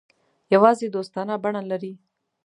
یوازې دوستانه بڼه لري.